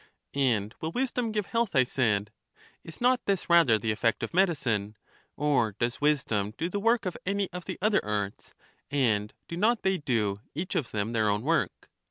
And will wisdom give health? I said; is not this rather the effect of medicine? Or does wisdom do the work of any of the other arts, and do not they do, each of them, their own work?